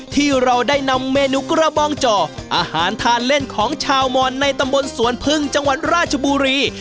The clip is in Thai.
ที่เราได้นำเมนูกระบองจ่ออาหารทานเล่นของชาวมอนในตำบลสวนพึ่งจังหวัดราชบุรี